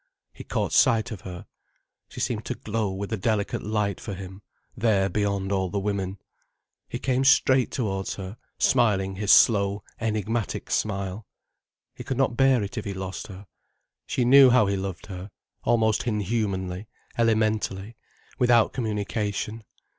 He caught sight of her. She seemed to glow with a delicate light for him, there beyond all the women. He came straight towards her, smiling his slow, enigmatic smile. He could not bear it if he lost her. She knew how he loved her—almost inhumanly, elementally, without communication.